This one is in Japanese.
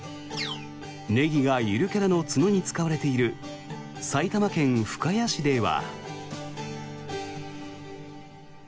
ネギがゆるキャラの角に使われている埼玉県深谷市では。